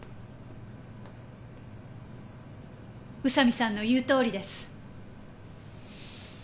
宇佐見さんの言うとおりです。